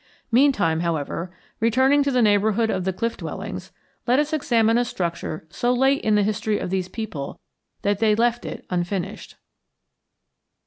Meantime, however, returning to the neighborhood of the cliff dwellings, let us examine a structure so late in the history of these people that they left it unfinished.